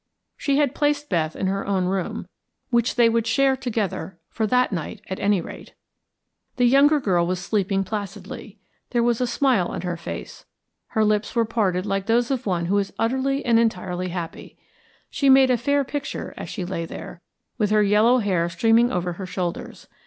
She had placed Beth in her own room, which they would share together for that night, at any rate. The younger girl was sleeping placidly; there was a smile on her face her lips were parted like those of one who is utterly and entirely happy. She made a fair picture as she lay there, with her yellow hair streaming over her shoulders.